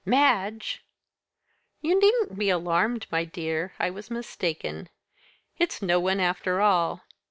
"Madge!" "You needn't be alarmed, my dear, I was mistaken; it's no one after all.